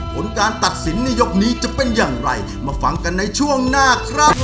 ผลการตัดสินในยกนี้จะเป็นอย่างไรมาฟังกันในช่วงหน้าครับ